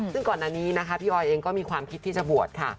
ซึ่งก่อนอันนี้นะคะพี่ออยเองก็มีความคิดที่จะบวชค่ะ